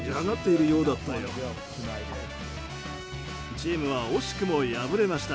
チームは惜しくも敗れました。